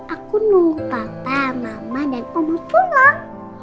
aku nung papa mama dan om irfan lah